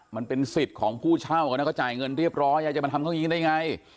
มันเป็นสิทธิ์ของผู้เช่าเขานะเขาจ่ายเงินเรียบร้อยยายจะมาทำเขาอย่างนี้ได้ไง